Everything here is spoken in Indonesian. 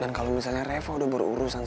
dan kalo misalnya reva udah berurusan sama papa